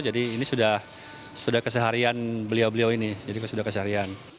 jadi ini sudah keseharian beliau beliau ini